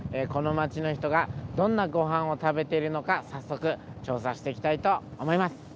この町の人がどんなご飯を食べているのか早速調査していきたいと思います。